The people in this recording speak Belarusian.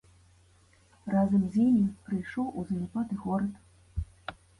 Разам з імі прыйшоў у заняпад і горад.